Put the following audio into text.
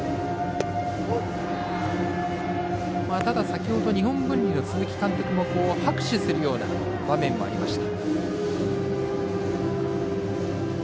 ただ、先ほど日本文理の鈴木監督も拍手するような場面もありました。